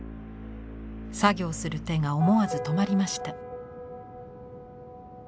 作業する手が思わず止まりました。